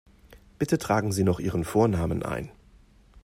Bitte tragen Sie noch Ihren Vornamen ein.